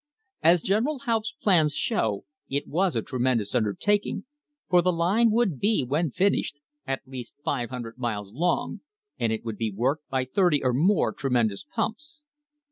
As General Haupt's plans show, it was a tremendous undertaking, for the line would be, when finished, at least 500 miles long, and it would be worked by thirty or more tremendous pumps.